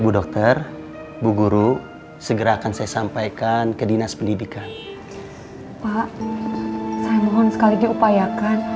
bu dokter bu guru segera akan saya sampaikan ke dinas pendidikan pak saya mohon sekalinya upayakan